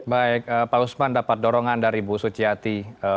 baik pak usman dapat dorongan dari bu suciati